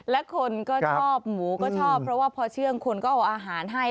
และคนก็ชอบหมูก็ชอบเพราะว่าพอเชื่องคนก็เอาอาหารให้